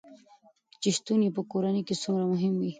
چې شتون يې په کورنے کې څومره مهم وي